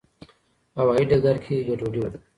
هوايي ډګر کې ګډوډي وه.